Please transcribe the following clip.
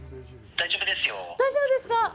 大丈夫ですか？